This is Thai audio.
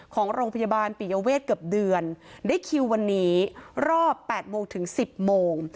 ของโรงพยาบาลปิยเวทเกือบเดือนได้คิววันนี้รอบ๘โมงถึง๑๐โมง